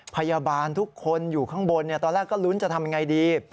พยาบาลทุกคนอยู่ข้างบนตอนแรกก็ลุ้นจะทำยังไงดี